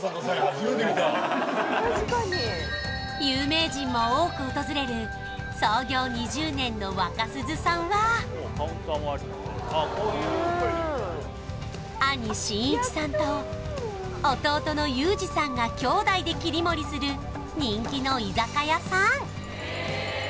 初めて見た有名人も多く訪れる創業２０年の若鈴さんは兄慎一さんと弟の裕二さんが兄弟で切り盛りする人気の居酒屋さん